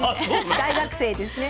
大学生ですね。